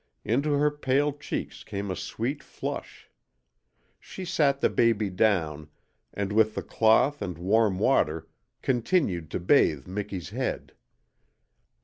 Into her pale cheeks came a sweet flush. She sat the baby down, and with the cloth and warm water continued to bathe Miki's head.